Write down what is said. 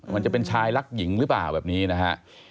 มันจะเป็นชายรักหญิงหรือเปล่าแบบนี้นะฮะ